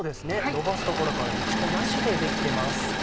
のばすところから打ち粉なしでできてます。